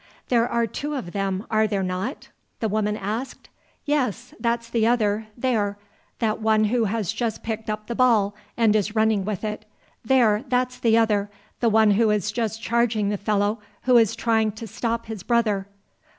"There are two of them, are there not?" the woman asked. "Yes, that's the other; there that one who has just picked up the ball and is running with it; there, that's the other, the one who is just charging the fellow who is trying to stop his brother."